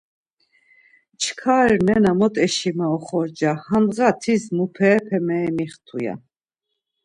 Çkar nena mot eşimer oxorca, handğa tis muperepe meemixtu! ya.